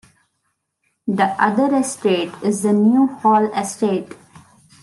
The other estate is the New Hall Estate.